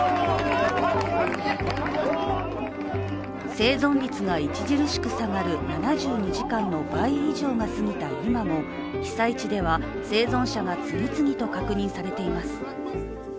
生存率が著しく下がる７２時間の倍以上が過ぎた今も被災地では生存者が次々と確認されています。